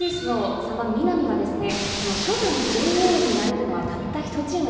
３番・南は初代女王になれるのは、たった１チーム。